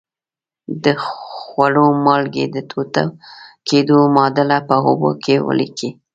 د خوړو مالګې د ټوټه کیدو معادله په اوبو کې ولیکئ.